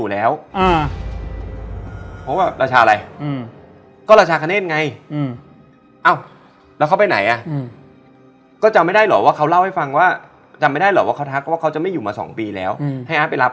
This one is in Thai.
แล้วเราก็กินก่อนพอกินมันมันก็ไม่ได้กินหมดทีในทีเดียว